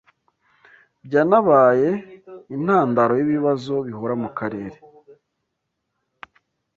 byanabaye intandaro y’ibibazo bihora mu Karere,